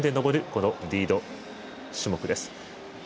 このリード種目です。